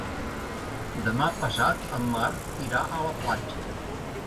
Demà passat en Marc irà a la platja.